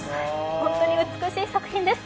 本当に美しい作品です。